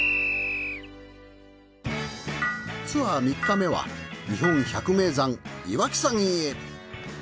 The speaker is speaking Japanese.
ツアー３日目は日本百名山岩木山へ。